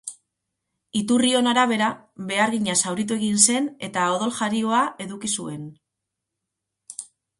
Iturrion arabera, behargina zauritu egin zen eta odoljarioa eduki zuen.